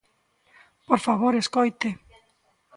Por favor, escoite.